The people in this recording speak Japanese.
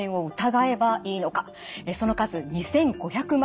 その数２，５００万